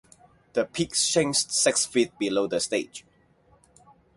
The pit sinks six feet below the stage.